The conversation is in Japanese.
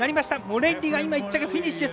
モレッリが今１着フィニッシュ。